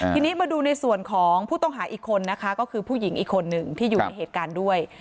ทีนี้มาดูในส่วนของผู้ต้องหาอีกคนนะคะก็คือผู้หญิงอีกคนหนึ่งที่อยู่ในเหตุการณ์ด้วย